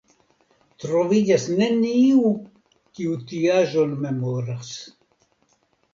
Troviĝas neniu, kiu tiaĵon memoras.